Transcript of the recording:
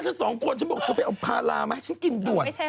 ฉันว่าเธอไปเอาพารามาให้ฉันกินด้วย